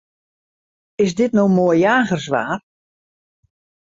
Is dit no moai jagerswaar?